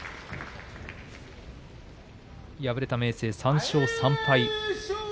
敗れた明生は３勝３敗。